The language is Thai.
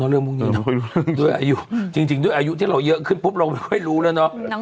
หนูก็ไม่รู้ด้วยอายุจริงด้วยอายุที่เราเยอะขึ้นปุ๊บเราไม่ค่อยรู้แล้วเนาะ